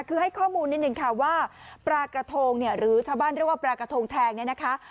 คือให้ข้อมูลนิดนึงค่ะว่าปลากระทงเนี่ยหรือชาวบ้านเรียกว่าปลากระทงแทงเนี่ยนะคะ